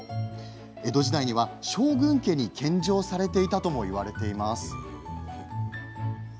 江戸時代には将軍家に献上されていたともいわれています。